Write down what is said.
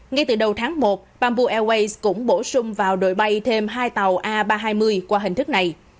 ngay từ đầu tháng một bamboo airways cũng bổ sung vào đội bay thêm hai tàu a ba trăm hai mươi qua hình thức này